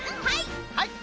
はい！